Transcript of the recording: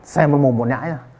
xem một mồm một nhãi ra